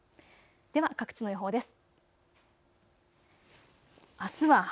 では各地の予報です。